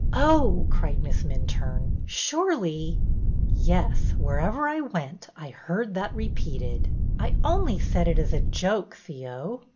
" Oh," cried Miss Minturne, surely —" Yes, wherever I went I heard that repeated." ''I — only said it as a joke, Theo."